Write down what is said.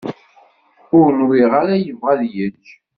Ur nwiɣ ara yebɣa ad yečč.